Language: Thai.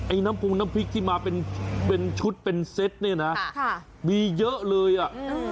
น้ำพุงน้ำพริกที่มาเป็นชุดเป็นเซ็ตเนี่ยนะมีเยอะเลยอ่ะ